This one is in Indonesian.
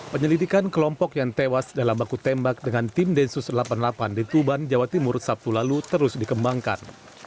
penyelidikan kelompok yang tewas dalam baku tembak dengan tim densus delapan puluh delapan di tuban jawa timur sabtu lalu terus dikembangkan